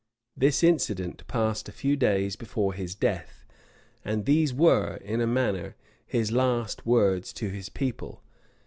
[*] This incident passed a few days before his death; and these were, in a manner, his last words to his people.